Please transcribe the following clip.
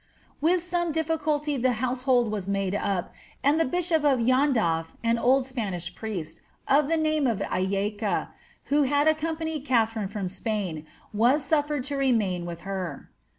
'' With some difficulty the honis ' hold was made up, and the bishop of LlnndalT, an old Spanish priest, of ^^ the name of Allequa, who had accompanied Katharine from Spaioi vn ^* sufiered to remain with her.